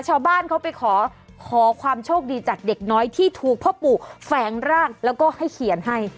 ชาวบ้านเขาไปขอขอความโชคดีจากเด็กน้อยที่ถูกพ่อปู่แฝงร่างแล้วก็ให้เขียนให้